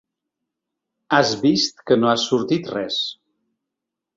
Has vist que no ha sortit res.